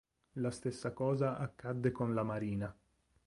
La stessa cosa accadde con la Marina.